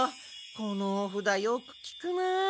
このお札よくきくな。